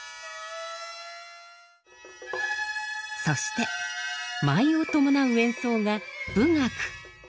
そして舞を伴う演奏が「舞楽」。